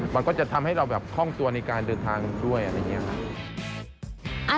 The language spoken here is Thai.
มันก็จะทำให้เราแบบคล่องตัวในการเดินทางด้วยอะไรอย่างนี้ครับ